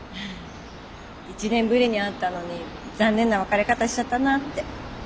１年ぶりに会ったのに残念な別れ方しちゃったなあって。